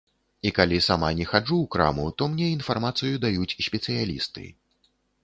І калі сама не хаджу ў краму, то мне інфармацыю даюць спецыялісты.